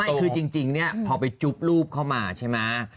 ไม่สิเท่านี้คือพอไปจุ๊บรูปเข้ามาใช่มั้ย